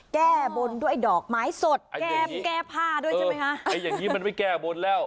แก้บนด้วยดอกไม้สดแก้มแก้ผ้าด้วยใช่ไหมคะไอ้อย่างงี้มันไม่แก้บนแล้ว